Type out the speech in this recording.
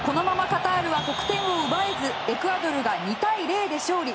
カタールは得点を奪えずエクアドルが２対０で勝利。